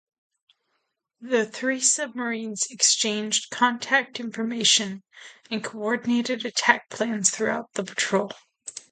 The three submarines exchanged contact information and coordinated attack plans throughout the patrol.